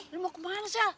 lu mau kemana sel